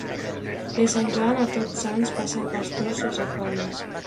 De Sant Joan a Tots Sants passa el pastor sos afanys.